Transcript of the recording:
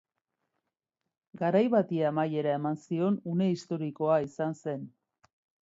Garai bati amaiera eman zion une historikoa izan zen.